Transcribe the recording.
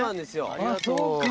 ありがとう。